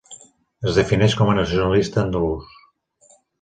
Es defineix com a nacionalista andalús.